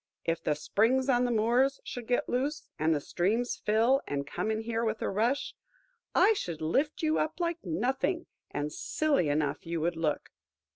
If the springs on the moors should get loose, and the streams fill and come in here with a rush, I should lift you up like nothing, and silly enough you would look.